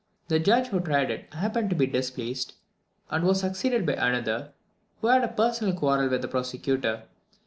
The judge who tried it happened to be displaced, and was succeeded by another, who had a personal quarrel with the prosecutor.